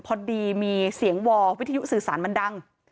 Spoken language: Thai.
พอดีมีเสียงวอลวิทยุสื่อสารมันดัง